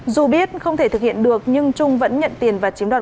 dù biết không thể thực hiện được nhưng trung vẫn nhận tiền và chiếm đoạt